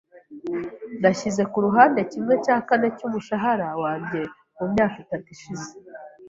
Nashyize ku ruhande kimwe cya kane cy'umushahara wanjye mu myaka itatu ishize.